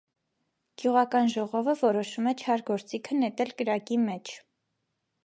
Գյուղական ժողովը որոշում է չար գործիքը նետել կրակի մեջ։